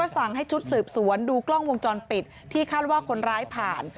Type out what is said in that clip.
สั่งให้ชุดสืบสวนดูกล้องวงจรปิดที่คาดว่าคนร้ายผ่าน